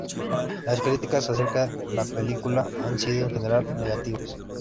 Las críticas acerca la película han sido en general negativas.